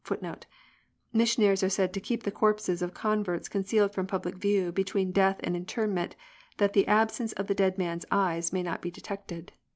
The devils introduce this doctrine, * Missionaries are said to keep the corpses of converts concealed from public view between death and interment, that the absence of the dead man's eyes may not be detected.